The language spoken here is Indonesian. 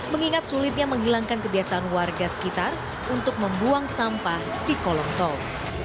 mengingat sulitnya menghilangkan kebiasaan warga sekitar untuk membuang sampah di kolong tol